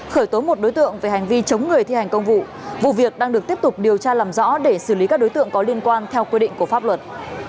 khởi tố một đối tượng về hành vi chống người thi hành công vụ vụ việc đang được tiếp tục điều tra làm rõ để xử lý các đối tượng có liên quan theo quy định của pháp luật